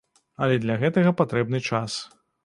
Але для гэтага патрэбны час.